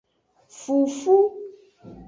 Fufu.